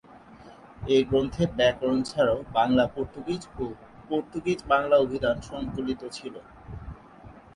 এ গ্রন্থে ব্যাকরণ ছাড়াও বাংলা-পর্তুগিজ ও পর্তুগিজ-বাংলা অভিধান সংকলিত ছিল।